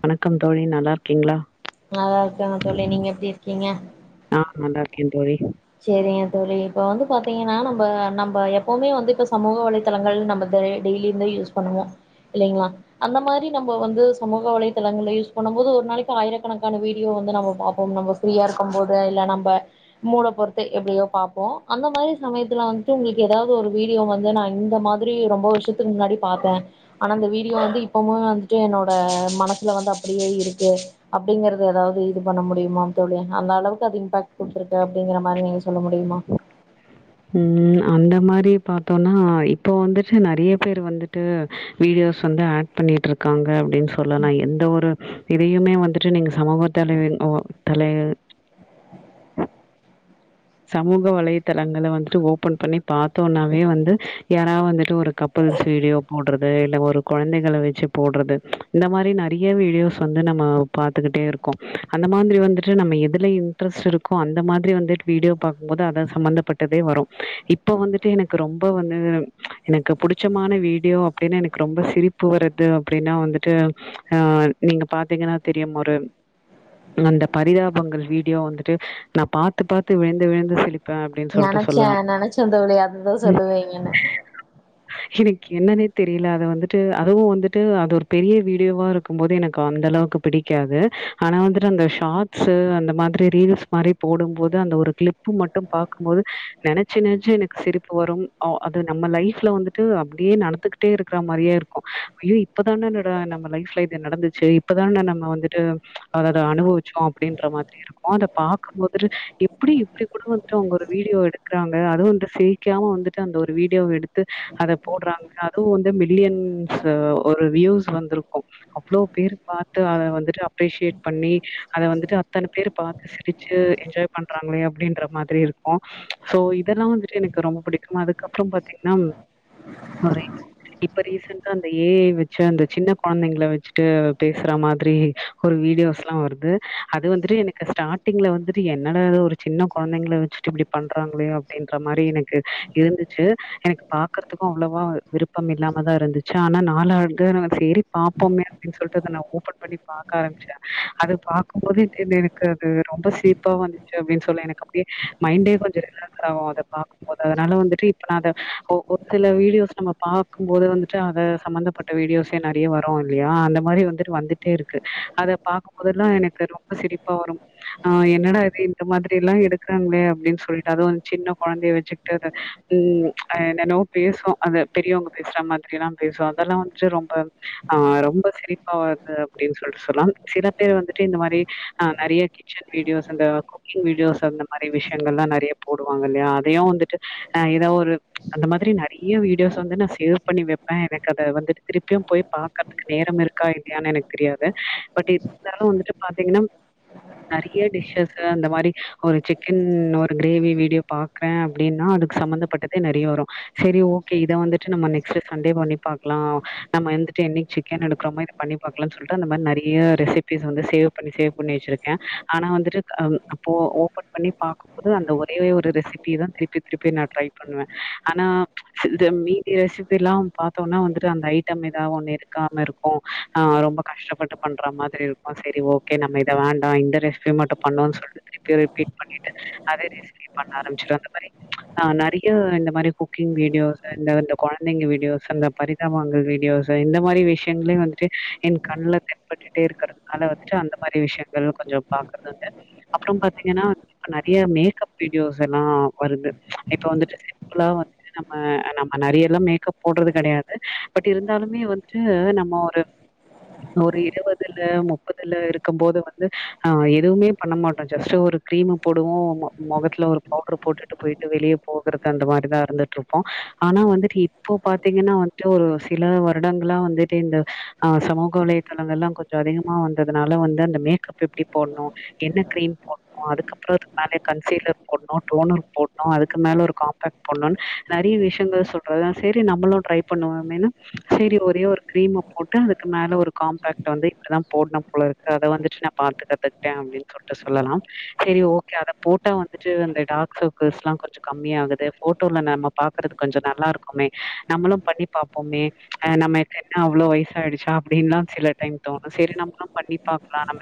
வணக்கம் தோழி நல்லாருக்கீங்ளா நல்லா இருக்காங்க தோழி நீங்க எப்டி இருக்கீங்க ஆ நல்லாருக் கே தோழி செரிங்க தோழி இப்ப வந்து பாத்தீங்கன்னா நம்ப நம்ப எப்பவ்மே வந்துட்டு சமூக வலைதளங்கள் டெய்லியூமே யூஸ் பண்ணுவோ இல்லைங்ளா அந்த மாரி நம்ம வந்து சமூக வலைதளங்கள்ல யூஸ் பண்ணும் போது ஒரு நாளைக்கு ஆயிரக்கணக்கான வீடியோ வந்து நம்ம பாப்போ நம்ம ஃப்ரீயாருக்கும் போது இல்ல நம்ம மூட பொறுத்து எப்படியோ பாப்போ அந்த மாரி சமயத்ததுல வந்துட்டு உங்களுக்கு ஏதாவ்து ஒரு வீடியோ வந்து நா இந்த மாத்ரி ரொம்ப வருஷத்துக்கு முன்னாடி பாத்தே ஆனா அந்த வீடியோ வந்து இப்பவ்மே வந்துட்டு என்னோட மனசுல வந்து அப்டியே இருக்கு அப்டிங்கறத ஏதாவ்து இது பண்ண முடியுமா தோழி அந்தளவுக்கு அது இம்பாக்ட் குடுத்துருக்கு அப்படிங்கற மாரி நீங்க சொல்ல முடியுமா ம் அந்த மாரி பாத்தோனா இப்போ வந்துட்டு நெறைய பேர் வந்துட்டு வீடியோஸ் வந்து ஆட் பண்ணிட்ருக்காங்க அப்டின் சொல்லலா எந்த ஒரு இதையுமே வந்துட்டு நீங்க சமூக தலை ஆ தலை சமூக வலைத்தளங்கள வந்துட்டு ஓபன் பண்ணி பாத்தோனாவே வந்து யாராது வந்துட்டு ஒரு கப்புள்ஸ் வீடியோ போடுறது இல்ல ஒரு கொழந்தைகள வெச்சு போடுறது இந்த மாதிரி நெறைய வீடியோஸ் வந்து நம்ம பாத்துக்கிட்டே இருக்கோம் அந்த மாதிரி வந்துட்டு நம்ம எதுல இன்ட்ரெஸ்ட் இருக்கோ அந்த மாதிரி வந்துட்டு வீடியோ பாக்கும்போது அதன் சம்பந்தப்பட்டதே வரும் இப்ப வந்துட்டு எனக்கு ரொம்ப வந்து எனக்கு பிடிச்சமான வீடியோ அப்படின்னா எனக்கு ரொம்ப சிரிப்பு வருர்து அப்படின்னா வந்துட்டு ஆஹ் நீங்க பாத்தீங்கன்னா தெரியும் ஒரு அந்த பரிதாபங்கள் வீடியோ வந்துட்டு நான் பாத்தப்ப விழுந்து விழுந்து சி நெனைச்சேன் நெனைச்சன் தோழி அதுதான் சொல்லுவீங்கன்னு எனக்கு என்னன்னே தெரியல அத வந்துட்டு அதுவும் வந்துட்டு அது ஒரு பெரிய வீடியோவா இருக்கும் போது எனக்கு அந்த அளவுக்கு பிடிக்காது ஆனா வந்துட்டு அந்த ஷார்ட்ஸ் அந்த மாதிரி ரீல்ஸ் மாதிரி போடும்போது அந்த ஒரு க்ளிப் மட்டும் பாக்கும் போது நெனைச்சு நெனைச்சு எனக்கு சிரிப்பு வரும் அது நம்ம லைஃப்ல வந்துட்டு அப்படியே நடந்துகிட்டே இருக்கிற மாதிரியே இருக்கும் ஐயோ இப்பதானே நம்ம லைஃப்ல இது நடந்துச்சு இப்பதான நம்ம வந்துட்டு அத அத அனுபவிச்சோம் அப்படின்ற மாதிரி இருக்கும் அத பாக்கும் போது இப்படி இப்படி கூட வந்துட்டு அவங்க ஒரு வீடியோ எடுக்குறாங்க அதுவும் வந்து சிரிக்காம வந்துட்டு அந்த ஒரு வீடியோ எடுத்து அத போடுறாங்க அதுவும் வந்து மில்லியன்ஸ் ஒரு வியூஸ் வந்திருக்கும் அவ்வளோ பேர் பாத்து அத வந்துட்டு அப்ரிசியேட் பண்ணி அத வந்துட்டு அத்தனை பேர் பாத்து சிரிச்சு என்ஜாய் பண்றாங்கள அப்படின்ற மாதிரி இருக்கும் சோ இதெல்லாம் வந்துட்டு எனக்கு ரொம்ப பிடிக்கும் அதுக்கப்புறம் பாத்தீங்கன்னா இப்ப ரீசெண்டா இந்த ஏ ஐ வச்சு அந்த சின்ன கொழந்தைங்கள வச்சுட்டு பேசுற மாதிரி ஒரு வீடியோஸ் எல்லாம் வருது அது வந்து எனக்கு ஸ்டாடிங்ல வந்துட்டு என்னால ஒரு சின்ன கொழந்தைங்கள வச்சுட்டு இப்படி பண்றாங்களே அப்படின்ற மாதிரி எனக்கு இருந்துச்சு எனக்கு பாக்குறதுக்கும் அவ்வளவா விருப்பம் இல்லாமதா இருந்துச்சு ஆனா நாலு ஆண்டு சரி பாப்போமே அப்படின்னு சொல்லிட்டு அத நான் ஓபன் பண்ணி பாக்க ஆரம்பிச்சுட்டேன் அத பாரக்கும்போதே எனக்கு அது ரொம்ப சி ப்பா வந்துச்சு அப்படி சொல்லி எனக்கு அப்படியே மைண்டே கொஞ்சம் ரிலாக்ஸ் ஆகும் அத பாக்கும்போது அதனால வந்துட்டு இப்ப நான் ஒரு சில வீடியோஸ் நம்ம பாக்கும்போது வந்துட்டு அத சம்பந்தப்பட்ட வீடியோஸ் நெறைய வரும் இல்லையா அந்த மாதிரி வந்துட்டு வந்துட்டே இருக்கு அத பாக்கும்போதெல்லாம் எனக்கு ரொம்ப சிரிப்பா வரும் ஆஹ் எ என்னடா அது இந்த மாதிரி எல்லாம் எடுக்கிறாங்களே அப்படின்னு சொல்லிட்டு அதுவும் சின்ன கொழந்தைய வச்சுட்டு அது என்னனோ பேசும் அது பெரியவங்க பேசுற மாதிரி எல்லாம் பேசும் அதெல்லாம் வந்துட்டு ரொம்ப ஆஹ் ரொம்ப சிரிப்பாது அப்படின்னு சொல்லிட்டு சொல்லாம் சில பேர் வந்துட்டு இந்த மாதிரி ஹ நெறைய கிச்சன் வீடியோஸ் அந்த குக்கிங் வீடியோஸ் அந்த மாதிரி விஷயங்கள்ல்லாம் நெறைய போடுவாங்கள இல்லையா அதையும் வந்துட்டு ஹ ஏதாவது ஒரு அந்த மாதிரி நெறைய வீடியோஸ் வந்துட்டு நான் சேவ் பண்ணி வைப்பேன் எனக்கு அத வந்துட்டு திருப்பியும் போய் பாக்கறதுக்கு நேரம் இருக்கா இல்லையான்னு எனக்கு தெரியாது பட் இருந்தாலும் வந்துட்டு பாத்தீங்கன்னா நெறய மாதிரி ஒரு சிக்கன் ஒரு கிரேவி வீடியோ பாக்றேன் அப்படின்னா அதுக்கு சம்பமந்தப்பட்டதே நெறைய வரும் சரி ஓக்கே இத வந்துட்டு நம்ம நெக்ஸ்ட் சண்டே பண்ணி பாக்கலாம் நம்ம வந்துட்டு என்னைக்கு சிக்கன் எடுக்கிறோமோ இத பண்ணி பாக்கலாம்னு சொல்லிட்டு அந்த மாதிரி நெறைய ரெசிபிஸ் வந்து சேவ் பண்ணி சேவ் பண்ணி வச்சிருக்கேன் ஆனா வந்துட்டு அப்ப ஓபன் பண்ணி பாக்கும்போது அந்த ஒரே ஒரு ரெசிபிதான் திருப்பி திருப்பி நான் ட்ரை பண்ணுவேன் ஆனா மீதி ரெசிபி எல்லாம் பாத்தோனா வந்துட்டு அந்த ஐட்டம் ஏதாவ ஒண்ணு இருக்காம இருக்கும் ஆஹ் ரொம்ப கஷ்டப்பட்டு பண்ற மாதிரி இருக்கும் சரி ஓக்கே நம்ம இத வேண்டாம் இந்த ரெசிபி மட்டும் பண்ணுவோம் சொல்லிட்டு திருப்பியும் ரிப்பீட் பண்ணிட்டு அதே ரெசிபி பண்ண ஆரம்பச்சிருவேன் அந்த மாதிரி ஆஹ் நெறைய இந்த மாதிரி குக்கிங் வீடியோஸ் இந்த கொழந்தைங்க வீடியோஸ் அந்த பரிதாபங்கள் வீடியோஸ் இந்த மாதிரி விஷயங்களையும் வந்துட்டு என் கண்ல தெண்ப்பட்டுட்டே இருக்கிறதுனால வந்துட்டு அந்த மாதிரி விஷயங்கள் கொஞ்சோ பாக்குறதுான் அப்புற பாத்தீங்கன்னா நெறய மேக்கப் வீடியோஸ் எல்லாம் வருது இப்ப வந்துட்டு சிம்பிளா வந்து நம்ம நம்ம நெறைய எல்லாம் மேக்கப் போடுறது கிடையாது பட் இருந்தாலுமே வந்துட்டு நம்ம ஒரு ஒரு இருபதுல முப்பதுல இருக்கும் போது வந்து ஆஹ் எதுவுமே பண்ண மாட்டோம் ஜஸ்ட் ஒரு கிரீமு போடுவோம் முகத்துல ஒரு பவுடரு போட்டுட்டு போயிட்டு வெளியே போகறது அந்த மாதிரிதான் இருந்துட்டு இருப்போம் ஆனா வந்துட்டு இப்போ பாத்தீங்கன்னா வந்துட்டு ஒரு சில வருடங்களா வந்துட்டு இந்த ஆஹ் சமூக வலைையத்தளங்கள் எல்லாம் கொஞ்சோ அதிகமா வந்ததுனால வந்து அந்த மேக்கப் எப்படி போடணும் என்ன கிரீம் போடணும் அதுக்கப்புறம் அதுக்கு மேல கன்சீலர் போடணும் டோனர் போடணும் அதுக்கு மேல ஒரு காம்பேக்ட் போடணும்னு நெறைய விஷயங்கள் சொல்றதுதான் செரி நம்மளும் ட்ரை பண்ணுவோம்ன் சரி ஒரே ஒரு கிரீமை போட்டு அதுக்கு மேல ஒரு காம்பாக்ட் வந்து இப்படிதான் போடனு போல இருக்கு அத வந்துட்டு நான் பாத்து கத்துக்கிட்டேன் அப்படின்னு சொல்லலாம் செரி ஓக்கே அத போட்டா வந்துட்டு அந்த டார்க் சர்க்கள்ஸ் எல்லாம் கொஞ்சோ கம்மியாகுது போட்டோல நம்ம பாக்குறது கொஞ்சோ நல்லா இருக்குமே நம்மளும் பண்ணி பாப்போமே ஆஹ் நம்ம என்ன அவ்வளோ வயச ஆயிடுச்சா அப்படின்னுலாம் சில டைம் தோணும் சரி நம்மளும் பண்ணி பாக்கலாம் நம்ம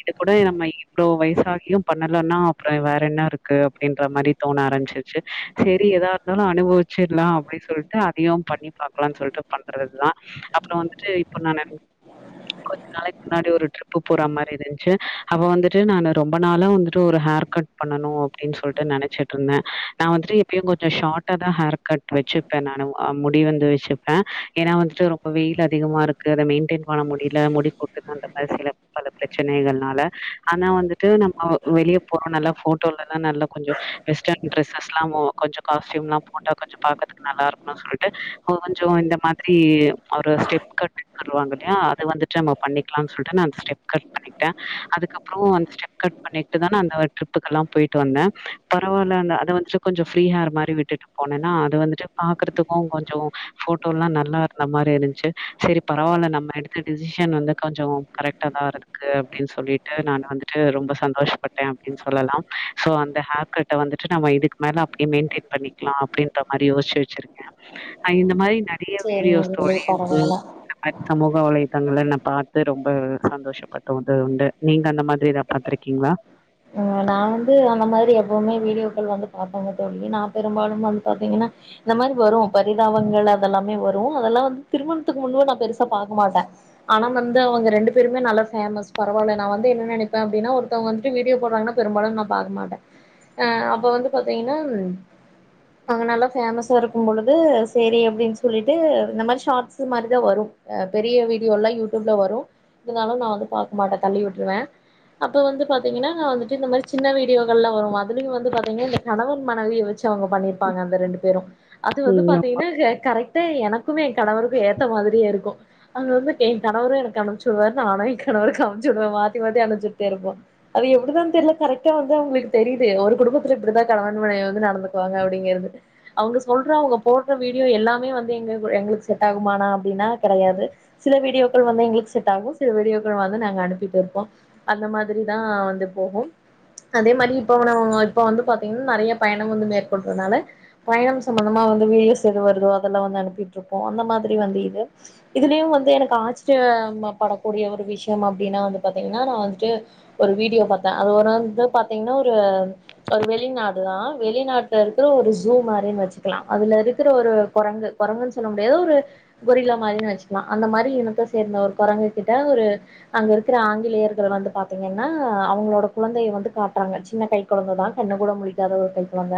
இத கூட நம்ம இவ்வளோ வயசாகியும் பண்ணலன்னா அப்புறம் வேற என்ன இருக்கு அப்படின்ற மாதிரி தோண ஆரமப்பிசிருச்சு சரி எதா இருந்தாலும் அனுபவிச்சிடலாம் அப்படின்னு சொல்லிட்டு அதையும் பண்ணி பாக்கலாம்னு சொல்லிட்டு பண்றதுதான் அப்புறம் வந்துட்டு இப்ப நான் கொஞ்ச நாளைக்கு முன்னாடி ஒரு ட்ரிப்பு போற மாதிரி இருந்துச் அப்ப வந்துட்டு நானு ரொம்ப நாளா வந்துட்டு ஒரு ஹேர் கட் பண்ணணும் அப்படின்னு சொல்லிட்டு நெனைச்சிட்டு இருந்தேன் நான் வந்துட்டு எப்பயும் கொஞ்சோ ஷாட்டா தா ஹேர் கட் வச்சுப்பேன் நானு முடி வந்து வச்சுப்பேன் ஏன்னா வந்துட்டு ரொம்ப வெயில் அதிகமா இருக்கு அதை மெயின்டென் பண்ண முடியல முடி கொட்டுது அந்த மாதிரி சில பல பிரச்ச ச்சினைகள்னால ஆனா வந்துட்டு நம்ம வெளிய போறோம் நல்லா ஃபோட்டோலல்லாம் நல்லா கொஞ்சோ வெஸ்டர்ன் டிரஸஸ்லாமோ கொஞ்சோ காஸ்ட்யூம் எல்லாம் போட்டா கொஞ்சோ பாக்றதுக்கு நல்லா இருக்கணும்னு சொல்லிட்டு கொஞ்சோ இந்த மாதிரி ஒரு ஸ்டெப் கட்னு சொல்வாங்க இல்லையா அது வந்துட்டு நம்ம பண்ணிக்கலாம்னு சொல்லிட்டு நான் அந்த ஸ்டெப் கட் பண்ணிட்டேன் அதுக்கப்றம் ஸ்டெப் கட் பண்ணிட்டு தான அந்த ட்ரிப்புக்கு எல்லா போயிட்டு வந்தேன் பரவாயில்ல அந்த அத வந்துட்டு கொஞ்சோ ஃப்ரீ ஹேர் மாதிரி விட்டுட்டு போனேன்னா அது வந்துட்டு பாக்கறதுக்கும் கொஞ்சோ ஃபோட்டோ எல்லா நல்லா இருந்த மாதிரி இருந்துச்சு சரி பரவாயில்ல நம்ம எடுத்த டிெசிஷன் வந்து கொஞ்சோ கரெக்டா தான் இருக்கு அப்படின்னு சொல்லிட்டு நான் வந்துட்டு ரொம்ப சந்தோஷப்பட்டேன் அப்படின்னு சொல்லலாம் சோ அந்த ஹேர் கட்ட வந்துட்டு நம்ம இதுக்கு மேல அப்படியே மெயின்டென் பண்ணிக்கலாம் அப்படின்ற மாதிரி யோசிச்சி வெச்சிருக்கேன் இந்த மாரி நெறைய சேரிங்க வீடியோஸ் தோழி இருக் பரவால்ல இந்த மாதிரி சம்பவம் [unintelligible] பாத்து ரொம்ப சந்தோஷப்பட் தோணுதுண்டு நீங்க அந்த மாதிரி ஏதாவது பாத்துருக்கீங்களா நா வந்து அந்த மாரி எப்பவுமே வீடியோக்கள் வந்து பாத்தாங்க தோழி நா பெருபாலும் வந்து பாத்தீங்கனா இந்த மாரி வரு பரிதாபங்கள் அதெல்லாமே வரு அதெல்லா வந்து திருமணத்துக்கு முன்பு நா பெருசா பாக்க மாட்டே ஆனா வந்து அவங்க ரெண்டு பேருமே நல்ல ஃபேமஸ் பரவால நா வந்து என்ன நினைப்பே அப்டினா ஒருத்தவங்க வந்துட்டு வீடியோ போட்றாங்கனா பெருபாலும் நான் பாக்க மாட்டே அ அப்ப வந்து பாத்தீங்கனா அவங்க நல்லா ஃபேமஸா இருக்கும்போழுது செரி அப்டினு சொல்லிட்டு இந்த மாரி ஷர்ட் பிலிம் மாரிதா வரு பெரிய வீடியோல யூடுப்ல வரு இருந்தாலு நா பக்கமாட்டே தள்ளி விட்ருவே அப்ப வந்து பாத்தீங்கனா வந்துட்டு இந்த மாரி சின்ன வீடியோகள்லா வரு அதுலயு வந்து பாத்தீங்கனா இந்த கணவன் மனைவிய வெச்சு அவங்க பண்ணியிருப்பாங்க அந்த ரெண்டு பேரு அது வந்து ம். பாத்தீங்கனா கரெக்ட் அதுவந்துட்டு எனக்கும் என் கணவருக்கு ஏத்த மாரியே இருக்கு அங்க வந்து என் கணவரு எனக்கு அனுப்ச்சு விடுவாரு நானு என் கணவருக்கு அனுப்ச்சு விடுவே மாத்தி மாத்தி அனுப்சுட்டே இருப்போ அது எப்டிதா தெரியல கரெக்டா வந்து அவங்களுக்கு தெரியுது ஒரு குடும்பத்துல இப்டிதா கணவன்மனைவிய வந்து நடந்துக்குவாங்க அப்டிங்கிறது அவங்க சொல்ற அவங்க போடுற வீடியோ எல்லாமே வந்து எங்க எங்களுக்கு செட் ஆகுமா அப்டின்னா கெடையாது சில வீடியோக்கள் வந்து எங்களுக்கு செட் ஆகும் சில வீடியோக்கள் வந்து நாங்க அனுப்பிட்டு இருப்போ அந்த மாதிரி தா வந்து போகும் அதே மாரி இப்ப இப்ப வந்து பாத்தீங்கனா நெறைய பயணம் வந்து மேற்கொள்றதுனால பயணம் சம்பந்தமா வந்து வீடியோஸ் எது வருதோ அதெல்லா வந்து அனுப்பிட்டு இருப்போ அந்த மாரி வந்து இது இதுலயு வந்து எனக்கு ஆச்சரிய படக்கூடிய ஒரு விஷயம் அப்டின்னா வந்து பாத்தீங்கனா நா வந்து ஒரு வீடியோ பாத்தே அது ஒரு நாள் வந்து பாத்தீங்கனா ஒரு ஒரு வெளிநாடு தா வெளிநாட்டல இருக்கிற ஒரு ஜூ மாரினு வெச்சு க்கலா அதுல இருக்கிற ஒரு குரங்கு குரங்குன்னு சொல்ல முடியாது ஒரு கொரிலா மாதிரினு வெச்சு ல அந்த மாரி இனத்த சேர்ந்த ஒரு குரங்கு கிட்ட ஒரு அங்க இருக்கிற ஆங்கிலேயர்கள் வந்து பாத்தீங் தீங்கனா அவங்களோட குழந்தைய வந்து காட்றாங்க சின்ன கை கொழந்த தா கண்ணு கூட முழிக்காத ஒரு கை கொழந்த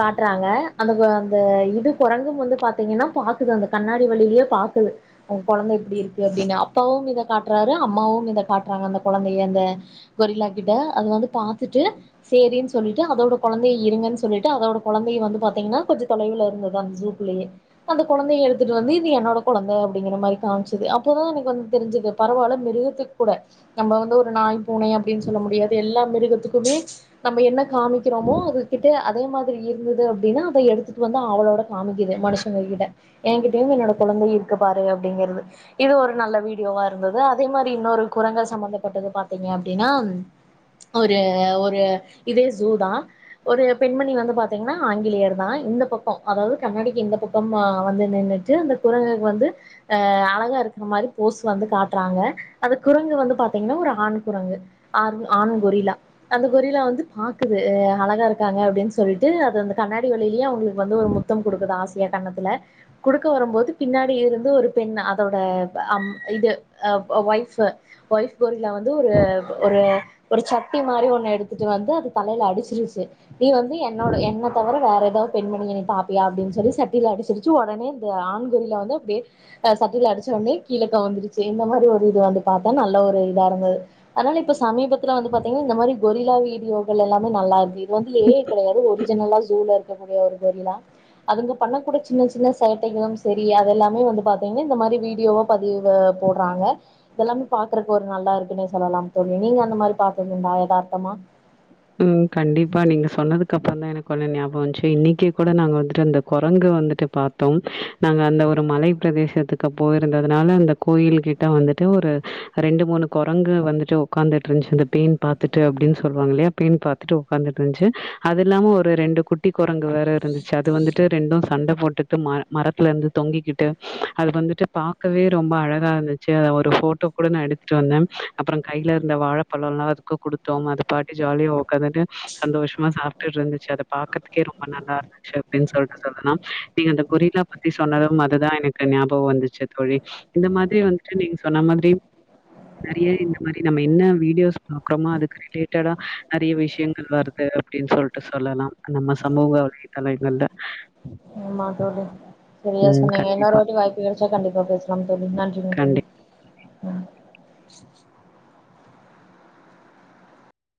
காட்றாங்க அந்த இது குரங்கும் வந்து பாத்துங்கனா பாக்குது அந்த கண்ணாடி வழியே பாக்குது கொழந்த எப்டி இருக்கு அப்டினு அப்பாவு இத காட்றாரு அம்மாவு இத காட் அந்த கொழந்தைய அந்த கொரிலா கிட்ட அது வந்து பாத்துட்டு சேரின்னு சொல்லிட்டு அதோட குழந்தைய இருங்கன்னு சொல்லிட்டு அதோட கொழந்தைய வந்து பாத்தீங்கனா கொஞ்சோ தொலைவுல இருந்தது அந்த ஜூக்குள்ளேயே அந்த கொழந்தைய எடுத்துட்டு வந்து இது என்னோட கொழந்த அப்டிங்கிற மாரி காம்ச்சது அப்போதா எனக்கு வந்து தெரிஞ்சது பரவால மிருகத்துக்கு கூட நம்ம வந்து ஒரு நாய் பூனை அப்டின்னு சொல்ல முடியாது எல்லா மிருகத்துக்குமே நம்ம என்ன காமிக்கிறோமோ அது கிட் அதே மாதிரி இருந்தது அப்டினா அத எடுத்துட்டு வந்து ஆவளோட காமிக்குது மனுஷங்க கிட்ட என்கிட்டையு என்னோட கொழந்த இருக்கு பாரு அப்டிங்கிறது இது ஒரு நல்ல வீடியோவா இருந்தது அதே மாரி இன்னொரு குரங்கள் சம்பந்தப்பட்டது பாத்தீங்க அப்டினா ஒரு ஒரு இதே ஜூ தா ஒரு பெண்மணி வந்து பாத்தீங்கனா ஆங்கிலேயர் தா இந்த பக்கோ அதாவது கண்ணாடிக்கு இந்த பக்கம் வந்து நின்னுட்டு அந்த குரங்குக்கு வந்து ஆ அழகாருக்க மாரி போஸ் வந்து காட்றாங்க அது குரங்கு வந்து பாத்தீங்கனா ஒரு ஆண் குரங்கு அது ஆண் கொரிலா அந்த கொரிலா வந்து பாக்குது அழகாருக்காங்க அப்டின்னு சொல்ட்டு அது அந்த கண்ணாடி வழியிலே அவங்ளுக்கு வந்து ஒரு முத்தம் குடுக்குது ஆச [unintelligible] கண்ணத்துல குடுக்க வரும்போது பின்னாடிருந்து ஒரு பெண் அதோட அம் இது ஒய்ஃபு ஒய்ஃப் கொரில வந்து ஒரு ஒரு ஒரு சட்டி மாரி ஒண்ணு எடுத்துட்டு வந்து அது தலைல அடிச்சிருச்சு நீ வந்து என்னோட என்ன தவிர வேற எதாது பெண்மணிய நீ பாப்பியா அப்டின் சொல்லி சட்டில அடிச்சிருச்சு ஒடனே இந்த ஆண்கொரிலா வந்து அப்டியே ஆ சட்டில அடிச்சொன்னே கீழ கவுந்துருச்சு இந்த மாரி ஒரு இது வந்து பாத்தா நல்ல ஒரு இதாருந்தது அனால இப்ப சமீபத்ல வந்து பாத்தீங்னா இந்த மாரி கொரிலா வீடியோக்கள் எல்லாமே நல்லாருக்கு மோஸ்லி ஏ ஐ கெடையாது ஒர்ஜினலா ஜூல க்கக்கூடிய ஒரு கொரிலா அதுங்க பண்ண கூட சின்ன சின்ன சேட்டைகளு செரி அதெல்லாமே வந்து பாத்தீங்கனா இந்த மாரி வீடியோவா பதிவு போட்றாங்க இதெல்லாமே பாக்குறக்கு ஒரு நல்லாருக்குன்னே சொல்லலா தோழி நீங்க அந்த மாரி பாத்ததுண்டா எதார்த்தமா ம் கண்டிப்பா நீங்க சொன்னதுக்கு அப்றோ தா எனக்கு சொன்ன ஞாபம் வஞ்சு இன்னைக்கே கூட நாங்க வந்துட்டு அந்த கொரங்கு வந்துட்டு பாத்தோ நாங்க அந்த ஒரு மலை பிரதேசத்துக்கு போயிருந்ததுனால அந்த கோயில்கிட்ட வந்துட்டு ஒரு ரெண்டு மூணு கொரங்கு வந்துட்டு ஒக்காந்துட்ருந்துச்சு அந்த பேண் பாத்துட்டு அப்டின்னு சொல்லுவாங்க இல்லயா பேண் பாத்துட்டு ஒக்காந்துட்ருந்துச்சு அது இல்லாம ஒரு ரெண்டு குட்டி குரங்கு வேற இருந்துச் சு அது வந்துட்டு ரெண்டு சண்ட போட் [unintelligible] மரத்துலருந்து தொங்கிகிட்டு அது வந்துட்டு பாக்கவே ரொம்ப அழகாருந்துச்சு ஒரு ஃபோட்டோ கூட நா எடுத்துட்டு வந்தே அப்றோ கைலருந்த வாழபழோலா அதுக்கு குடுத்தோ அதுப்பாட்டுகு ஜாலியா உக்காந்துட்டு சந்தோஷமா சாப்டுருந்துச்சு அத பாக்கறதுக்கே ரொம்ப நல்லாருந்துச்சு அப்டின் சொல்ட்டு சொல்லலா நீங்க அந்த கொரிலா பத்தி சொன்னது அதுதா எனக்கு ஞாபகம் வந்துச்சு தோழி இந்த மாரி வந்துட்டு நீங்க சொன்ன மாரி நெறைய இந்த மாரி நம்ம என்ன வீடியோஸ் பாக்குறோமோ அதுக்கு ரிலேட் [unintelligible] நெறைய விஷயங்கள் வருது அப்டினு சொல்ட்டு சொல்லலா நம்ம சமூக வலை தளங்கள்ல ஆமா தோழி செரியா ம். சொன்னீங்க கண்டிப்பா, இன்னொருவாட்டி வாய்ப்பு வரு ட்ரை [unintelligible] கண்டிப்பா பேச ஆமாங்க தோழி நன்றிங்க கண்டிப்பா. தோழி [inaudible]